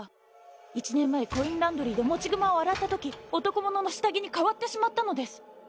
１年前コインランドリーでもちぐまを洗ったとき男物の下着に替わってしまったのです。